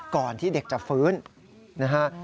ก่อนที่เด็กจะฟื้นนะฮะ